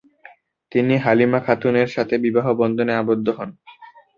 তিনি হালিমা খাতুনের সাথে বিবাহ বন্ধনে আবদ্ধ হন।